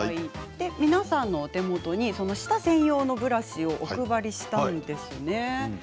皆さんのお手元に舌専用のブラシをお配りしたんですね。